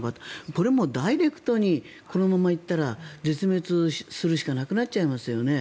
これもうダイレクトにこのまま行ったら絶滅するしかなくなっちゃいますよね。